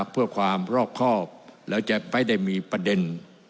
เพื่อความรอบครอบแล้วจะไม่ได้มีประเด็น